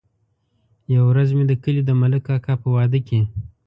يوه ورځ مې د کلي د ملک کاکا په واده کې.